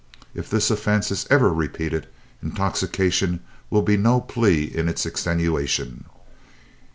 If this offence is ever repeated, intoxication will be no plea in its extenuation.